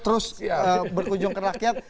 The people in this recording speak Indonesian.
terus berkunjung ke rakyat